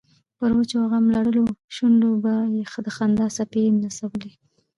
پر وچو او غم لړلو شونډو به یې د خندا څپې نڅولې.